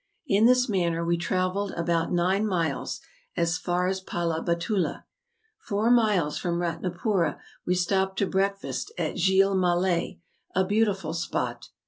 In this manner we travelled abou.t nine miles as far as Palabatula. .. Four miles from Eatna¬ poora we stopped to breakfast at Gillemalle, a beau¬ tiful spot.